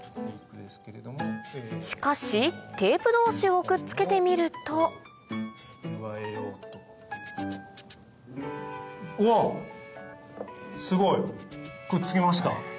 しかしテープ同士をくっつけてみるとうわっすごい。